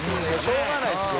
しょうがないですよ。